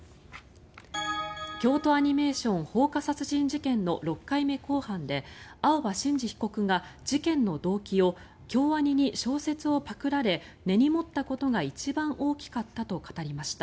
京都アニメーション放火殺人事件の６回目公判で青葉真司被告が事件の動機を京アニに小説をパクられ根に持ったことが一番大きかったと語りました。